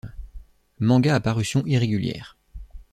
Manga à parution irrégulière.